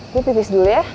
gua pipis dulu ya